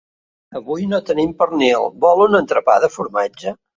Avui no tenim pernil, vol un entrepà de formatge?